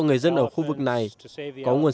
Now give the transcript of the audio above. người dân ở khu vực này có nguồn